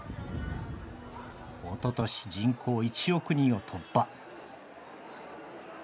おととし、人口１億人を突破。